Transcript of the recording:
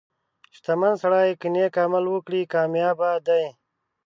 • شتمن سړی که نیک عمل ولري، کامیابه دی.